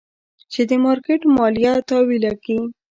چې د مارکېټ ماليه تاويله کي.